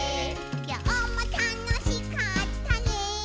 「きょうもたのしかったね」